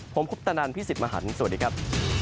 ผมคุปตะนันพี่สิทธิ์มหันฯสวัสดีครับ